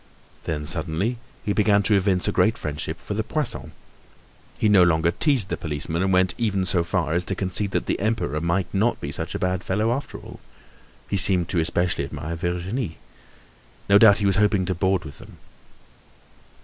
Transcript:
Then, suddenly, he began to evince a great friendship for the Poissons. He no longer teased the policeman and even went so far as to concede that the Emperor might not be such a bad fellow after all. He seemed to especially admire Virginie. No doubt he was hoping to board with them.